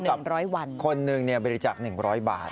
เท่ากับคนหนึ่งบริจาค๑๐๐บาท